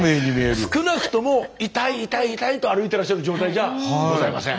少なくとも痛い痛い痛いと歩いてらっしゃる状態じゃございません。